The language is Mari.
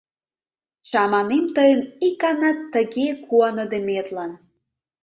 Чаманем тыйын иканат тыге куаныдыметлан!